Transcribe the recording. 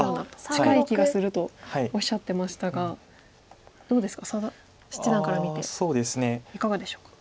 近い気がするとおっしゃってましたがどうですか佐田七段から見ていかがでしょうか？